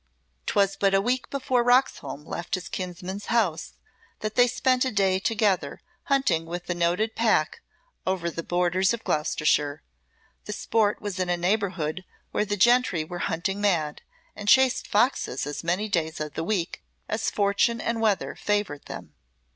'Twas but a week before Roxholm left his kinsman's house, that they spent a day together hunting with a noted pack over the borders of Gloucestershire. The sport was in a neighbourhood where the gentry were hunting mad, and chased foxes as many days of the week as fortune and weather favoured them.